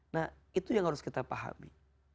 nah itu yang harus kita pahami